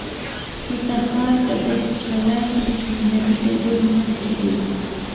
د تخار په دشت قلعه کې د قیمتي ډبرو نښې دي.